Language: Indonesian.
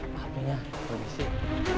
maaf ya pergi sih